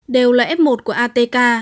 đều là f một của atk